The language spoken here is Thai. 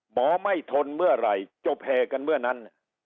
หมอไม่ทนเมื่อไหร่จบแห่กันเมื่อนั้น